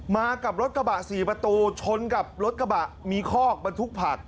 มากับรถกระบะ๔ประตูชนกับรถกระบะมีคอกบรรทุกผัก